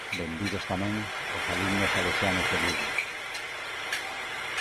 Benvidos tamén os alumnos salesianos de Lugo.